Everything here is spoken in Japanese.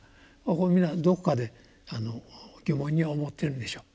これ皆どこかで疑問に思ってるでしょう。